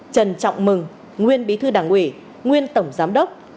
trần trọng mừng nguyên bí thư đảng ủy nguyên tổng giám đốc